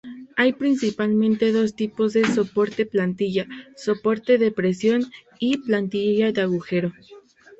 Hay principalmente dos tipos de "soporte-plantilla"ː "soporte de presión" y "plantilla de agujero".